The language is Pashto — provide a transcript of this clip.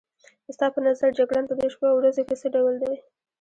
ستا په نظر جګړن په دې شپو او ورځو کې څه ډول دی؟